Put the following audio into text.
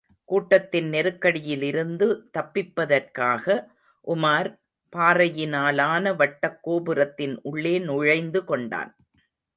கூட்டத்தின் நெருக்கடியிலிருந்து தப்பிப்பதற்காக, உமார், பாறையினாலான வட்டக் கோபுரத்தின் உள்ளே நுழைந்து கொண்டான்.